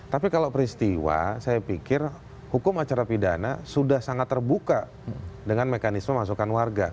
tapi kalau peristiwa saya pikir hukum acara pidana sudah sangat terbuka dengan mekanisme masukan warga